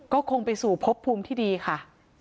ก็คงไปสู่พบภูมิที่ดีค่ะ